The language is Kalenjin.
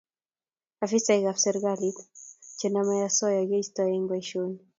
Afisaekab serkali chenomei osoya keisto eng boisioni